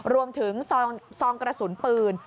รวมถึงซองกระสุนปืน